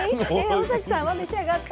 尾碕さんは召し上がった？